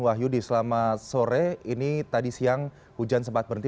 wahyu di selamat sore ini tadi siang hujan sempat berhenti